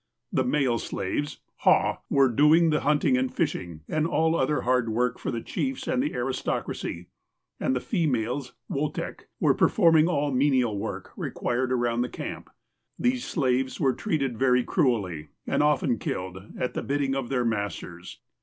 The male slaves (hah) were doing the hunting and fishing and all other hard work for the chiefs and the aristocracy, and the females (wotek) were performing all menial work required around the camp. These slaves were treated very cruelly, and often killed, at the bidding of their masters.